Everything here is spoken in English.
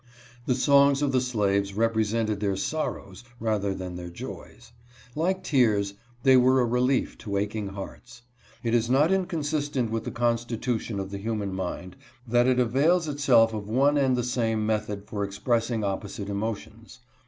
The songs of the slaves represented their sorrows, rather than their joys. Like tears, they were a relief to aching hearts. It is not in consistent with the constitution of the human mind that it avails itself of one and the same method for express ing opposite emotions.